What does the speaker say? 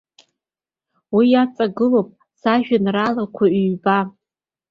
Уи иаҵагылоуп сажәеинраалақәа ҩба.